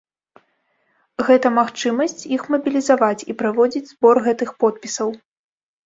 Гэта магчымасць іх мабілізаваць і праводзіць збор гэтых подпісаў.